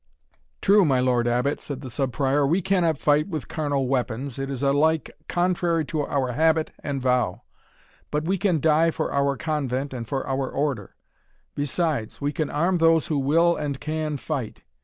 "True, my Lord Abbot," said the Sub Prior, "we cannot fight with carnal weapons, it is alike contrary to our habit and vow; but we can die for our Convent and for our Order. Besides, we can arm those who will and can fight.